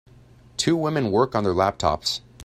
Two women work on their laptops.